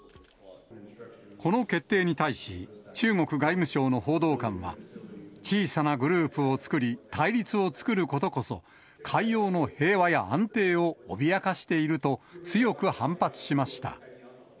この決定に対し、中国外務省の報道官は、小さなグループを作り対立を作ることこそ、海洋の平和や安定を脅かしていると、強く反発しました。